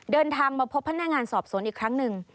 เดินทางมาพบพนักงานสอบสวนอีกครั้งหนึ่ง